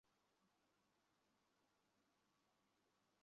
তোকে বুঝতে হবে, বিশু।